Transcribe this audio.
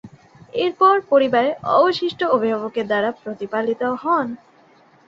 এরপর পরিবারের অবশিষ্ট অভিভাবকের দ্বারা প্রতিপালিত হন।